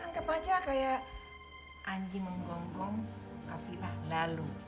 anggap aja kayak anjing menggonggong kafilah lalu